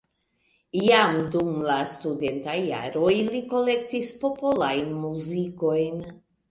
Jam dum la studentaj jaroj li kolektis popolajn muzikojn.